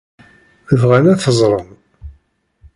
Bɣan ad t-ẓren?